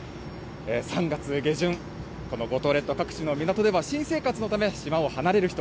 ３月下旬、この五島列島各地の港では、新生活のため、島を離れる人、